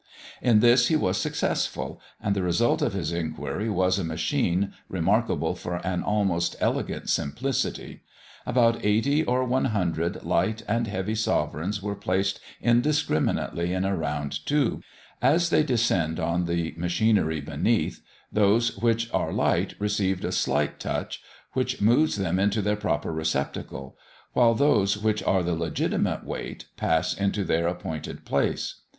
In this he was successful, and the result of his inquiry was, a machine, remarkable for an almost elegant simplicity. About 80 or 100 light and heavy sovereigns are placed indiscriminately in a round tube; as they descend on the machinery beneath, those which are light receive a slight touch, which moves them into their proper receptacle; while those which are the legitimate weight, pass into their appointed place.